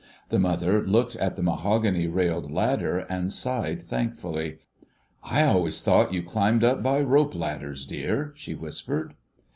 The Mother looked at the mahogany railed ladder and sighed thankfully. "I always thought you climbed up by rope ladders, dear," she whispered.